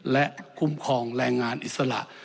และคุ้มครองแรงงานอิสระ